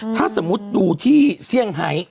ถ้าสมมุติดูที่เซี่ยงไฮ